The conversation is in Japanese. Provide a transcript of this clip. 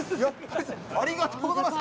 ありがとうございます。